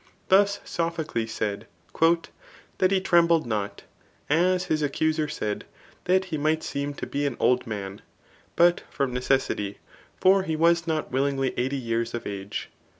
Thus Sophocles said, «* That he trembled, not, as his accuser said, that he might seem to be an old man, but from necessity ; for he was not willingly eighty years of age.